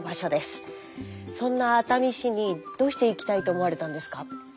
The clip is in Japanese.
そんな熱海市にどうして行きたいと思われたんですか？